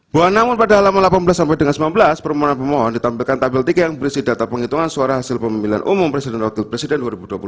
bahwa namun pada halaman delapan belas sampai dengan sembilan belas permohonan pemohon ditampilkan tampil tiga yang berisi data penghitungan suara hasil pemilihan umum presiden dan wakil presiden dua ribu dua puluh empat